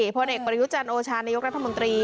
พลเอกประยุจันทร์โอชานายกรัฐมนตรี